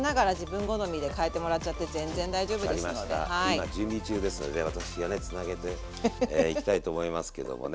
今準備中ですので私がねつなげていきたいと思いますけどもね。